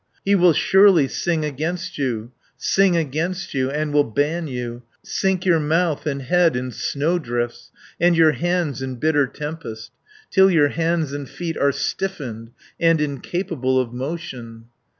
"He will surely sing against you, Sing against you, and will ban you, Sink your mouth and head in snow drifts, And your hands in bitter tempest: Till your hands and feet are stiffened, And incapable of motion."